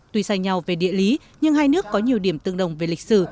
tuy sai nhau về địa lý nhưng hai nước có nhiều điểm tương đồng về lịch sử